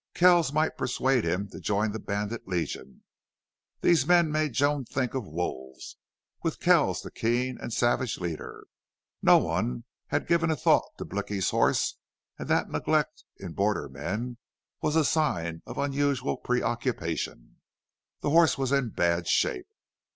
Kells might persuade him to join that bandit legion. These men made Joan think of wolves, with Kells the keen and savage leader. No one had given a thought to Blicky's horse and that neglect in border men was a sign of unusual preoccupation. The horse was in bad shape.